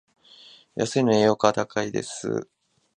安いのに栄養価は高いです